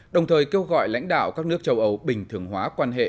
đồng thời kêu gọi lãnh đạo các nước châu âu bình thường hóa quan hệ